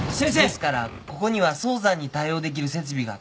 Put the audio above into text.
ですからここには早産に対応できる設備が。